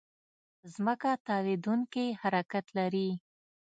ځمکه تاوېدونکې حرکت لري.